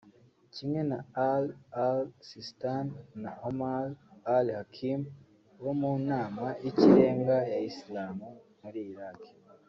Kimwe na Ali al-Sistani na Ammar al-Hakim bo mu Nama y’Ikirenga ya Islam muri Iraq